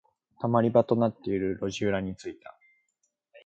溜まり場となっている路地裏に着いた。